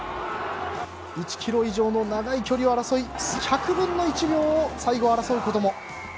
１ｋｍ以上の長い距離を争い１００分の１秒を最後は争うことも。